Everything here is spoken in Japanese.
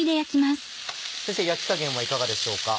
焼き加減はいかがでしょうか？